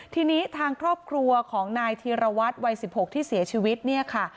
ทีนี้ทางครอบครัวของนายธีรวัตรวัย๑๖ที่เสียชีวิตเนี่ยค่ะ